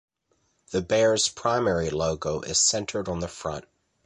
The Bears' primary logo is centered on the front.